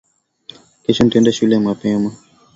Kesho ntaenda shule mapema